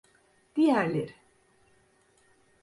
Diğerleri…